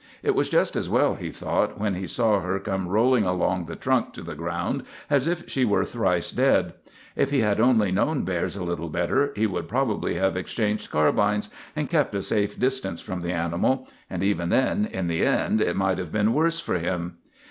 It was just as well, he thought, when he saw her come rolling along the trunk to the ground as if she were thrice dead. If he had only known bears a little better, he would probably have exchanged carbines and kept a safe distance from the animal; and even then, in the end, it might have been worse for him.